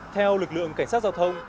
theo lực lượng cảnh sát giao thông